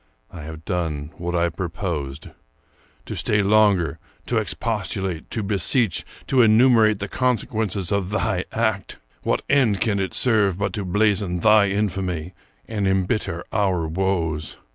I have donq what I purposed. To stay longer, to expostulate, to be seech, to enumerate the consequences of thy act, — what end can it serve but to blazon thy infamy and embitter our woes?